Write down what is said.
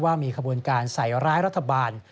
ว่ามีขบวนการใส่ร้ายรัฐบาล